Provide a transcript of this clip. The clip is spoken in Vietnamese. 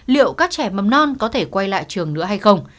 liệu các trẻ mầm non có thể quay lại trường nữa hay không